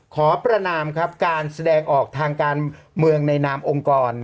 ขอประนามครับการแสดงออกทางการเมืองในนามองค์กร